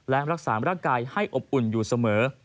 และรักษาร่างกายให้อบอุ่นอยู่เสมอ